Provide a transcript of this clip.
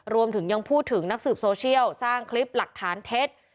รวมถึงยังพูดถึงนักสืบโซเชียลสร้างคลิปหลักฐานเท็จ